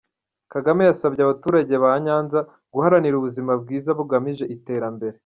Kagame yasabye abaturage ba Nyanza guharanira ubuzima bwiza, bugamije iterambere.